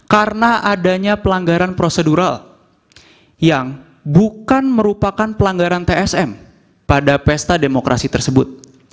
karena adanya pelanggaran prosedural yang bukan merupakan pelanggaran tsm pada pesta demokrasi tersebut